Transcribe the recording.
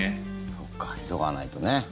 そっか、急がないとね。